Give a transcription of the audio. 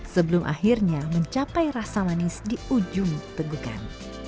sebelum akhirnya mencapai rasa manis di ujung tegukan